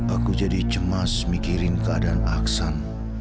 aku jadi cemas mikirin keadaan aksan